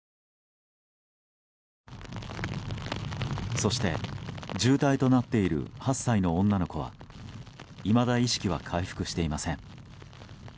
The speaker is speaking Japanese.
そして、重体となっている８歳の女の子はいまだ意識は回復していません。